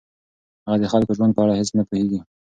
هغه د خلکو د ژوند په اړه هیڅ نه پوهیږي.